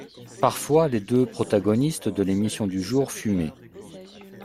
Parfois, les deux protagonistes de l’émission du jour fumaient.